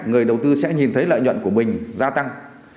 người đầu tư sẽ nhìn thấy lợi nhuận của mình gia tăng